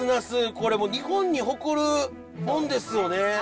これもう日本に誇るもんですよね。